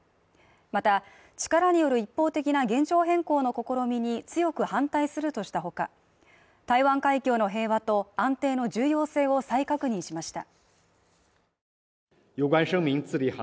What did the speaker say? また、力による一方的な現状変更の試みに強く反対するとした他、台湾海峡の平和と安定の重要性を再確認しました。